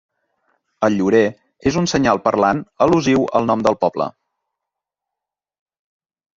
El llorer és un senyal parlant al·lusiu al nom del poble.